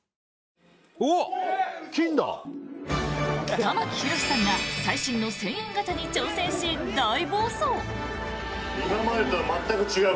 玉木宏さんが最新の１０００円ガチャに挑戦し大暴走！